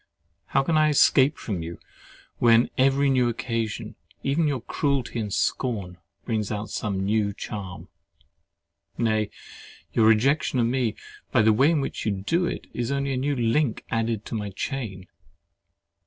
How can I escape from you, when every new occasion, even your cruelty and scorn, brings out some new charm. Nay, your rejection of me, by the way in which you do it, is only a new link added to my chain.